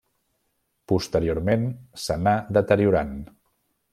Posteriorment s'anà deteriorant.